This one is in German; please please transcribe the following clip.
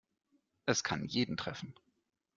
Es kann jeden treffen.